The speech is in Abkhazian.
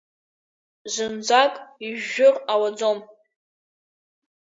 Зынӡак ижәжәыр ҟалаӡом.